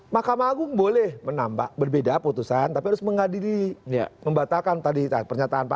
mahkamah agung boleh menambah berbeda putusan tapi harus mengadili membatalkan tadi pernyataan pak